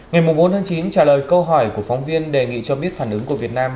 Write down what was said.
ngày bốn chín trả lời câu hỏi của phóng viên đề nghị cho biết phản ứng của việt nam